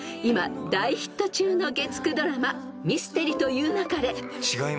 今大ヒット中の月９ドラマ『ミステリと言う勿れ』］